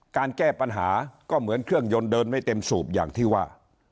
แก้ปัญหาก็เหมือนเครื่องยนต์เดินไม่เต็มสูบอย่างที่ว่า